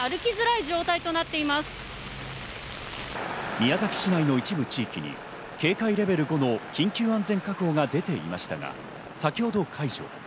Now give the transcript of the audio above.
宮崎市内の一部地域に警戒レベル５の緊急安全確保が出ていましたが、先ほど解除。